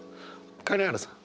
金原さん。